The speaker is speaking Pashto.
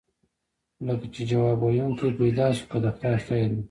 لکه چې ځواب ویونکی پیدا شو، که د خدای خیر وي.